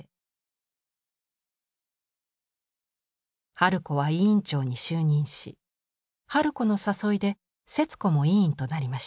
春子は委員長に就任し春子の誘いで節子も委員となりました。